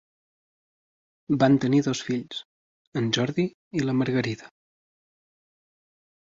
Van tenir dos fills, en Jordi i la Margarida.